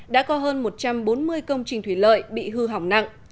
đã có hơn một trăm bốn mươi công trình thủy lợi bị hư hỏng nặng